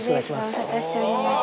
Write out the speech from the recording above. ご無沙汰しております